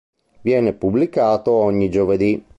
Viene pubblicato ogni giovedì.